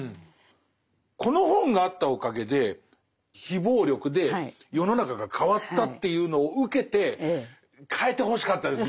この本があったおかげで非暴力で世の中が変わったというのを受けて変えてほしかったですね